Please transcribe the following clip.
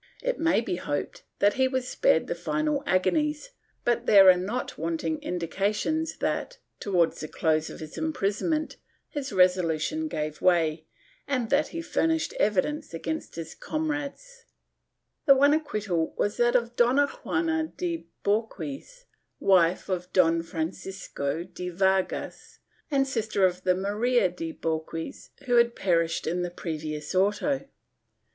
It may be hoped that he was spared the final agonies, but there are not wanting indications that, towards the close of his imprisonment, his reso lution gave way and that he furnished evidence against his comrades/ The one acquittal was that of Dona Juana de Bohorques, wife of Don Francisco de Vargas and sister of the Maria de Bohorques who had perished in the previous auto.